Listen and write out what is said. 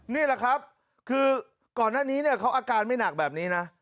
นี่แหละครับคือก่อนหน้านี้เนี่ยเขาอาการไม่หนักแบบนี้นะ